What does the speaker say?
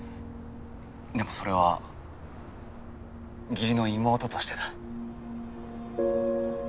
でもそれは義理の妹としてだ。